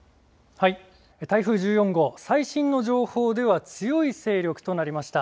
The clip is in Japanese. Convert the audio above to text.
台風１４号、最新の情報では強い勢力となりました。